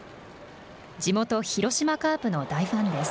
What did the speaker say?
地元、広島カープの大ファンです。